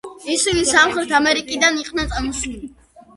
ისინი სამხრეთ ამერიკიდან იყვნენ წამოსული.